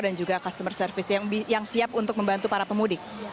dan juga customer service yang siap untuk membantu para pemudik